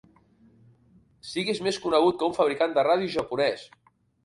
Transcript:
Siguis més conegut que un fabricant de ràdios japonès.